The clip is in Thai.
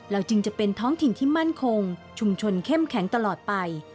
จึงจะเป็นท้องถิ่นที่มั่นคงชุมชนเข้มแข็งตลอดไป